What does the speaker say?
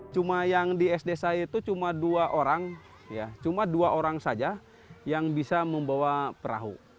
cuma yang di sd saya itu cuma dua orang ya cuma dua orang saja yang bisa membawa perahu